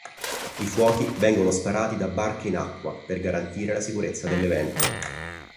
I fuochi vengono sparati da barche in acqua, per garantire la sicurezza dell'evento.